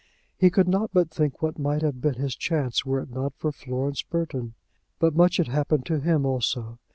He could not but think what might have been his chance were it not for Florence Burton! But much had happened to him also.